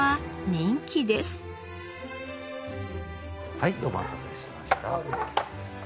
はいお待たせしました。